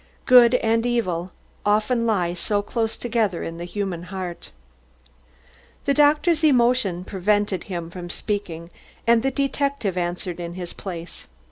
Good and evil often lie so close together in the human heart. The doctor's emotion prevented him from speaking, and the detective answered in his place.